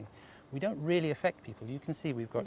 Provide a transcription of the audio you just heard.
kami tidak menghalangi orang orang